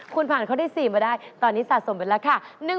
คุณผ่านข้อที่๔มาได้ตอนนี้สะสมไปแล้วค่ะ